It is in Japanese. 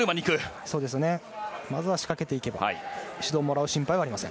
まずは仕掛けていけば指導をもらう心配はありません。